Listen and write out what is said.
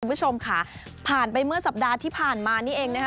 คุณผู้ชมค่ะผ่านไปเมื่อสัปดาห์ที่ผ่านมานี่เองนะคะ